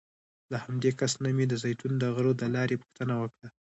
له همدې کس نه مې د زیتون د غره د لارې پوښتنه وکړه.